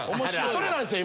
それなんですよ